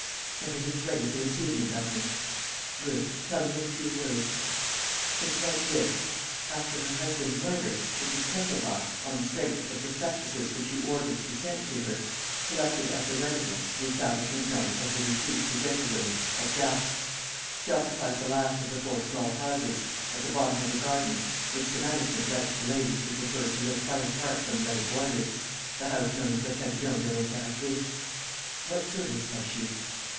"Everything's ready for this evening, governor." "Good. Tell me in a few words." "It's like this. After her husband's murder, Mrs. Kesselbach, on the strength of the prospectuses which you ordered to be sent to her, selected as her residence the establishment known as the Retreat for Gentlewomen, at Garches. She occupies the last of the four small houses, at the bottom of the garden, which the management lets to ladies who prefer to live quite apart from the other boarders, the house known as the Pavillon de l'Impératrice." "What servants has she?"